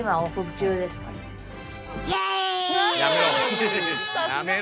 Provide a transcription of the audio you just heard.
やめろ。